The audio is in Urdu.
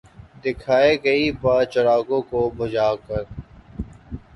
دیکھا ہے کئی بار چراغوں کو بجھا کر